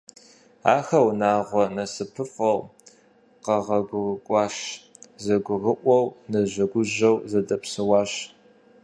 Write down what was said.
Ахэр унагъуэ насыпыфӏэу къэгъуэгурыкӏуащ, зэгурыӏуэу, нэжэгужэу зэдэпсэуащ.